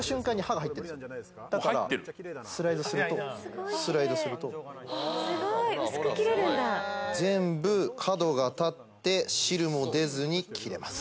もう入ってるだからスライドするとスライドするとすごいきれいすごい薄く切れるんだ全部角が立って汁も出ずに切れます